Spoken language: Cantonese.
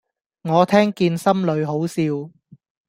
我聽見心裏好笑